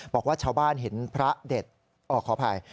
บอกว่าชาวบ้านเห็นพระเด็ดขออภัย